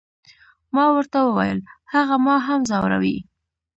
ما ورته وویل، هغه ما هم ځوروي.